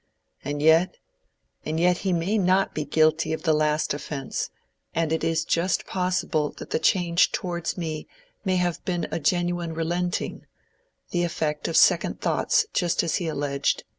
And yet—and yet he may not be guilty of the last offence; and it is just possible that the change towards me may have been a genuine relenting—the effect of second thoughts such as he alleged.